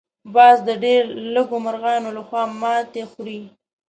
باز د ډېر لږو مرغانو لخوا ماتې خوري